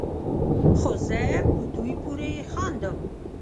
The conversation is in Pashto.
خو زه په دوی پورې خاندم